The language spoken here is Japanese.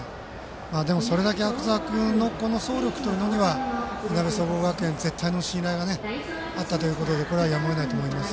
でもそれだけ阿久澤君の走力にはいなべ総合学園は絶対の信頼があったということでこれはやむを得ないと思います。